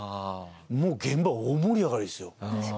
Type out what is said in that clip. もう現場大盛り上がりですよ。